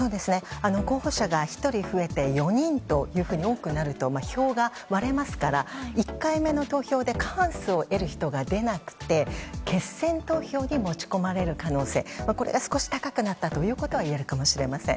候補者が１人増えて、４人と多くなると、票が割れますから１回目の投票で過半数を得る人が出なくて決選投票に持ち込まれる可能性が少し高くなったということはいえるかもしれません。